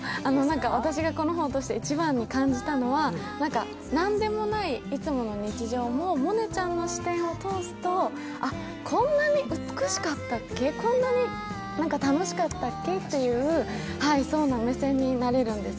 私がこの本を通して一番に感じたのは、何でもないいつもの日常も、萌音ちゃんの視点を通すとこんなに美しかったっけ、こんなに楽しかったっけっていう目線になれるんです。